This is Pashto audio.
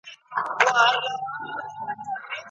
ډیري مو په هیله د شبقدر شوګیرۍ کړي